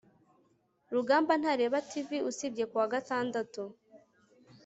rugamba ntareba tv usibye kuwagatandatu